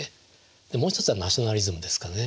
でもう一つはナショナリズムですかね。